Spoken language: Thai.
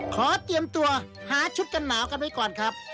ขอเตรียมตัวหาชุดกันหนาวกันไว้ก่อนครับ